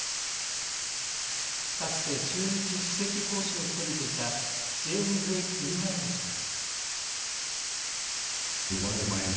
かつて駐日首席公使を務めていたジェームズ・ズムワルト氏は。